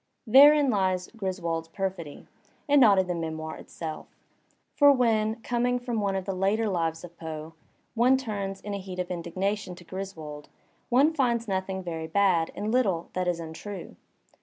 Therein lies Griswold's perfidy, and not in the memoir itself. For when, coming from one of the later lives of Poe, one turns in a heat of indignation to Griswold, one finds nothing very bad and little that is untrue.